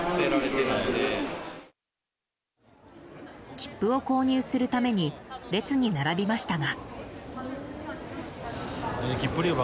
切符を購入するために列に並びましたが。